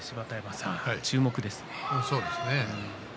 そうですね。